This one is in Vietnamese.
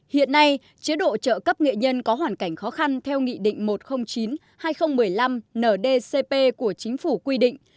hiện nay chế độ trợ cấp nghệ nhân có hoàn cảnh khó khăn theo nghị định một trăm linh chín hai nghìn một mươi năm ndcp của chính phủ quy định